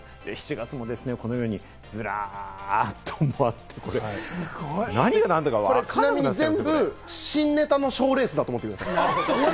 ７月もこのようにズラっと全部、新ネタの賞レースだと思ってください。